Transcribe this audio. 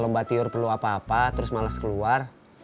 lomba tiur perlu apa apa terus males keluar